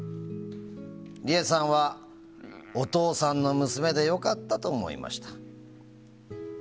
リエさんはお父さんの娘で良かったと思いました。